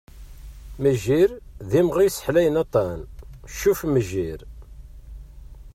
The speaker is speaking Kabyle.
Mejjir d imɣi yesseḥlayen aṭan "Ccuf-mejjir" .